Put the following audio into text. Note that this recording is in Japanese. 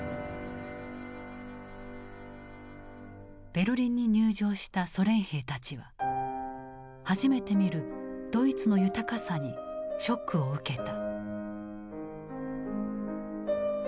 ベルリンに入城したソ連兵たちは初めて見るドイツの豊かさにショックを受けた。